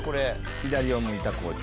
左を向いた校長。